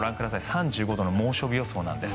３５度の猛暑日予想なんです。